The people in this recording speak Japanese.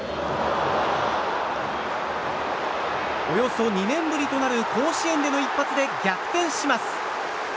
およそ２年ぶりとなる甲子園での一発で逆転します。